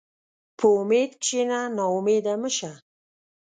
په امید کښېنه، ناامیده مه شه.